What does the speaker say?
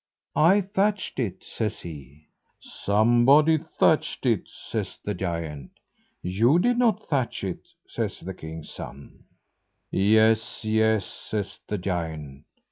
"I thatched it," says he. "Somebody thatched it," says the giant. "You did not thatch it," says the king's son. "Yes, yes!" says the giant.